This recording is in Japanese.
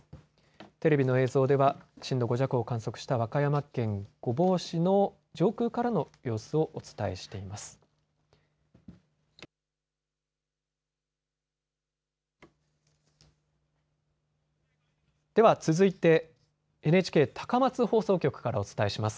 テレビの映像では震度５弱を観測した和歌山県御坊市の上空からの様子をお伝えしています。